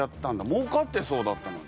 もうかってそうだったのに。